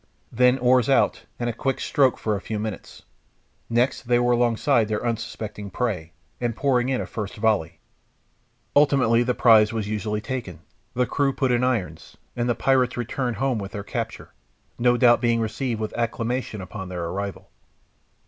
Then oars out, and a quick stroke for a few minutes. Next they were alongside their unsuspecting prey, and pouring in a first volley. Ultimately the prize was usually taken, the crew put in irons, and the pirates returned home with their capture, no doubt being received with acclamation upon their arrival.